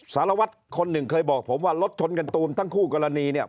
สารวัตรคนหนึ่งเคยบอกผมว่ารถชนกันตูมทั้งคู่กรณีเนี่ย